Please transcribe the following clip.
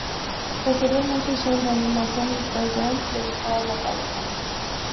Posteriormente, Shane reanima a un zombi y Carl Grimes le dispara en la cabeza.